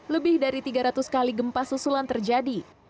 lebih dari tiga ratus kali gempa susulan terjadi